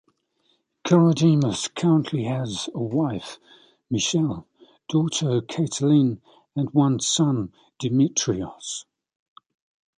Corodemus currently has a wife; Michele, daughter; Katelynn and one son, Dimitrios.